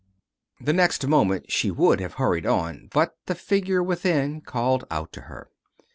The next moment she would have hurried on, but the figure within called out to her.